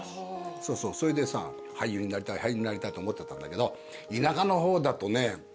そうそうそれでさ俳優になりたい俳優になりたいと思ってたんだけど田舎の方だとね